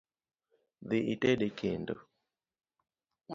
Dhii ited e kendo .